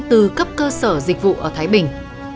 từ cấp cơ sở dịch vụ ở thái bình